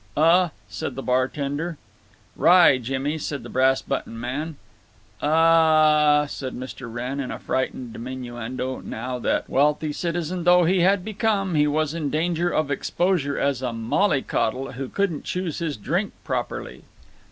"Uh?" said the bartender. "Rye, Jimmy," said the Brass button Man. "Uh h h h h," said Mr. Wrenn, in a frightened diminuendo, now that—wealthy citizen though he had become—he was in danger of exposure as a mollycoddle who couldn't choose his drink properly.